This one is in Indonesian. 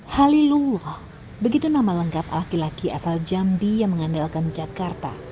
halilullah begitu nama lengkap laki laki asal jambi yang mengandalkan jakarta